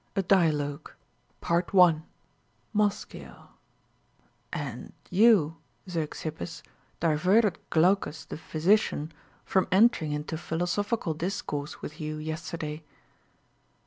A DIALOGUE. MOSCHIO, ZEUXIPPUS. 1. MoscHio. And you, Zeuxippus, diverted Glaiicus the physician from entering into a philosophical discourse Avith you yesterday.